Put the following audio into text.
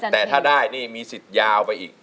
แต่ถ้าได้นี่มีสิทธิ์ยาวไปอีก